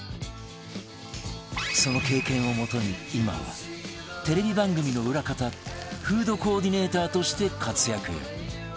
その経験をもとに今はテレビ番組の裏方フードコーディネーターとして活躍